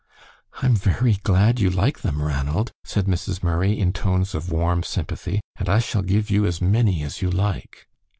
"I am very glad you like them, Ranald," said Mrs. Murray, in tones of warm sympathy, "and I shall give you as many as you like."